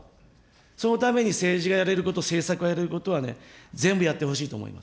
そのために政治がやれること、政策がやれることはね、全部やってほしいと思います。